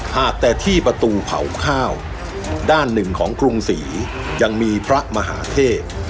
หากแต่ที่ประตูเผาข้าวด้านหนึ่งของกรุงศรียังมีพระมหาเทพ